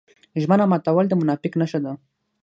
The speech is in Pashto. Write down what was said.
ژمنه ماتول د منافق نښه ده.